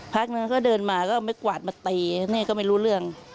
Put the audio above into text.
พักนึงก็เดินมาก็เอาไม้กวาดมาตีแม่ก็ไม่รู้เรื่อง